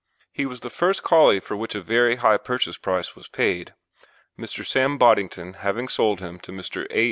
He was the first Collie for which a very high purchase price was paid, Mr. Sam Boddington having sold him to Mr. A.